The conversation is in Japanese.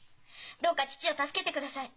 どうか父を助けてください。